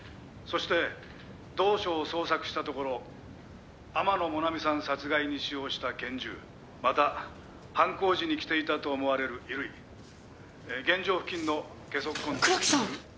「そして同所を捜索したところ天野もなみさん殺害に使用した拳銃また犯行時に着ていたと思われる衣類現場付近のゲソ痕と」